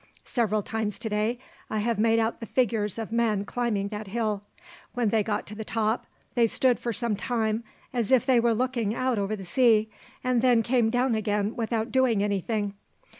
Several times today I have made out the figures of men climbing that hill. When they got to the top they stood for some time as if they were looking out over the sea, and then came down again without doing anything.